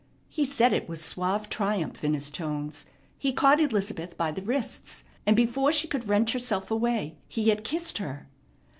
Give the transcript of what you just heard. He said it with suave triumph in his tones. He caught Elizabeth by the wrists, and before she could wrench herself away he had kissed her.